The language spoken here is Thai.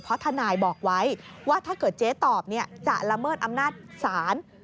เพราะทนายบอกไว้ว่าถ้าเกิดเจ๊ตอบจะละเมิดอำนาจศาล